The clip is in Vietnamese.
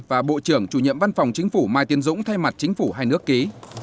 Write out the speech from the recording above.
và bộ trưởng chủ nhiệm văn phòng chính phủ mai tiến dũng thay mặt chính phủ hai nước ký